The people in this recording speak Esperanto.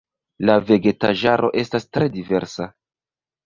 La vegetaĵaro estas tre diversa.